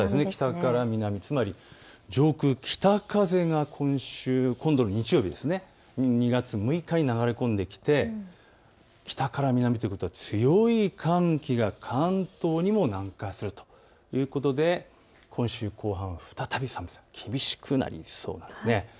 北から南、つまり上空、北風が今週、今度の日曜日、２月６日に流れ込んできて、北から南ということは強い寒気が関東にも南下するということで、今週後半、再び寒さが厳しくなりそうです。